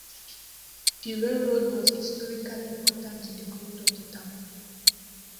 The railroad was historically important to the growth of the town.